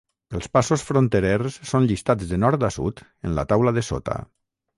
Els passos fronterers són llistats de nord a sud en la taula de sota.